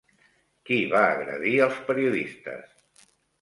Qui va agredir als periodistes?